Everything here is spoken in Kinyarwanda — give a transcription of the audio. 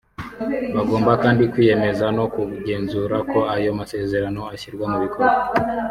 Bagomba kandi kwiyemeza no kugenzura ko ayo masezerano ashyirwa mu bikorwa